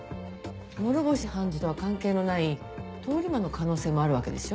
諸星判事とは関係のない通り魔の可能性もあるわけでしょ？